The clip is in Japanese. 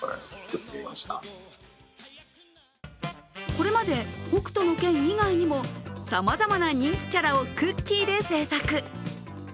これまで「北斗の拳」以外にもさまざまな人気キャラをクッキーで製作。